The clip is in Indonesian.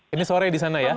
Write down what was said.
ini sore di sana ya